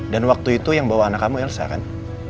dan waktu itu yang bawa anak kamu elsa kan